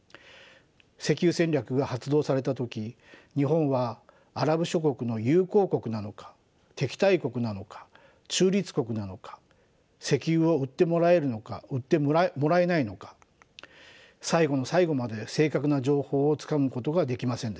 石油戦略が発動された時日本はアラブ諸国の友好国なのか敵対国なのか中立国なのか石油を売ってもらえるのか売ってもらえないのか最後の最後まで正確な情報をつかむことができませんでした。